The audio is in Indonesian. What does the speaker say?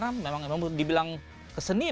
karena memang dibilang kesenian